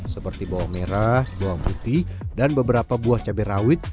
seperti bawang merah bawang putih dan beberapa buah cabai rawit